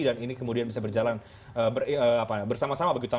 dan ini kemudian bisa berjalan bersama sama begitu